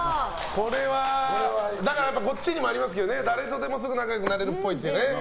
こっちにもありますけど誰とでもすぐ仲良くなれるっぽいっていうね。